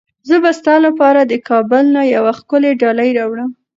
زه به ستا لپاره د کابل نه یوه ښکلې ډالۍ راوړم.